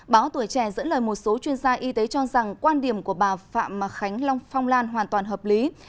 báo tuổi trẻ dẫn lời một số chuyên gia y tế cho rằng quan điểm của bà phạm khánh long phong lan hoàn toàn hợp lý